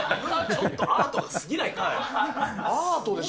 ちょっとアートがすぎないか？